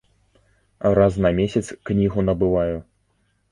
Раз на месяц кнігу набываю.